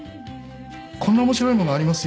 こんな面白いものがあります